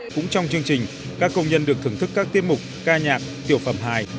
cũng trong chương trình các công nhân được thưởng thức các tiết mục ca nhạc tiểu phẩm hài